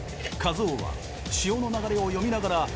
一夫は潮の流れを読みながら